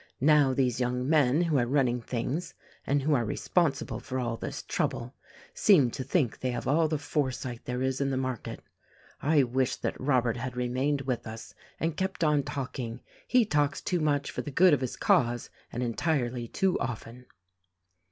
Now these young men who are running things, and who are responsible for all this trouble, seem to think they have all the foresight there is in the market. I wish that Robert had remained with us and kept on talking. He talks too much for the good of his cause, and entirely too often."